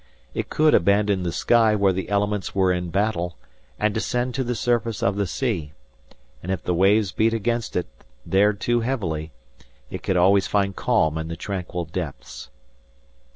It could abandon the sky where the elements were in battle and descend to the surface of the sea; and if the waves beat against it there too heavily, it could always find calm in the tranquil depths.